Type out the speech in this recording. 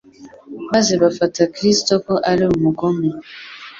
maze bafata Kristo ko ari umugome.